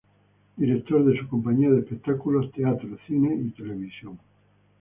Director de su compañía de espectáculos, teatro, cine y tv.